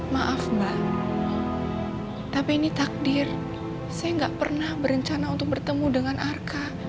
maaf mbak tapi ini takdir saya nggak pernah berencana untuk bertemu dengan arka